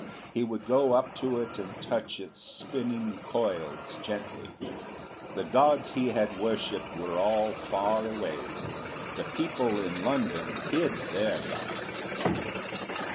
He would go up to it and touch its spinning coils gently. The gods he had worshipped were all far away. The people in London hid their gods.